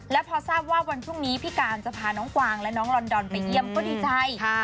แล้วพอทราบว่าวันพรุ่งนี้พี่การจะพาน้องกวางและน้องลอนดอนไปเยี่ยมก็ดีใจ